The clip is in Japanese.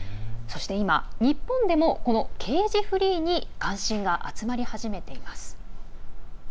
そして今日本でもケージフリーに関心が集まり始めています。